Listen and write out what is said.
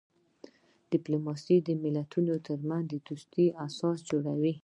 ډیپلوماسي د ملتونو ترمنځ د دوستۍ اساس جوړوي.